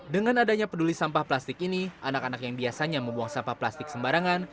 dengan adanya peduli sampah plastik ini anak anak yang biasanya membuang sampah plastik sembarangan